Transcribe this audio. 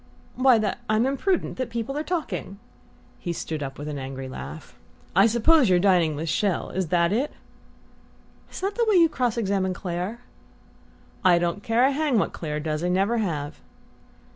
"Why, that I'm imprudent; that people are talking " He stood up with an angry laugh. "I suppose you're dining with Chelles. Is that it?" "Is that the way you cross examine Clare?" "I don't care a hang what Clare does I never have."